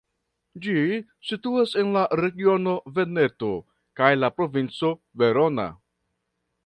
Ĝi situas en la regiono Veneto kaj la provinco Verona.